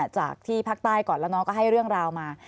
จากที่ภาคใต้ก่อนแล้วน้องก็ให้เรื่องราวมา